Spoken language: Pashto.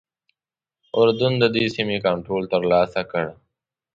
اردن ددې سیمې کنټرول ترلاسه کړ.